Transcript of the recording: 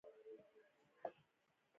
زه د خپل مزد په مقابل کې نوکري کومه.